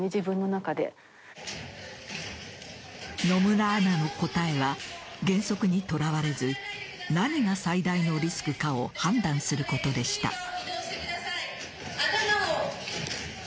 野村アナの答えは原則にとらわれず何が最大のリスクかを判断することでした。